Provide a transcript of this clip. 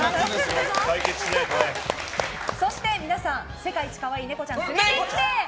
そして、皆さん世界一かわいいネコちゃん連れてきて。